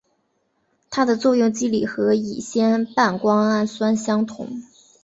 它的作用机理和乙酰半胱氨酸相同。